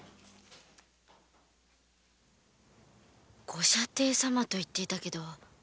「ご舎弟様」と言ってたけど。